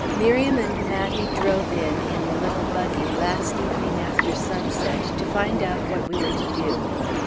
Miriam and Mattie drove in, in the little buggy, last evening after sunset, to find out what we were to do.